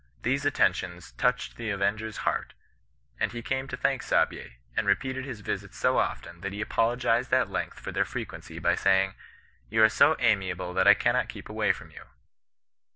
These attentions touched the aven ger's heart ; and he came to thank Saabye, and repeated his visits so often, that he apologized at length for their frequency by saying, * You are so amiable that I cannot CHRISTIAN NON EESISTANOE. 159 keep away from you.'